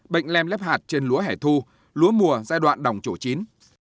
bệnh lem lép hạt trên lúa hẻ thu lúa mùa giai đoạn đồng chỗ chín